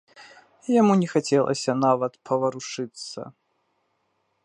Яму не хацелася нават паварушыцца.